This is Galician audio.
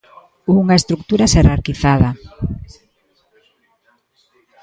Unha estrutura xerarquizada.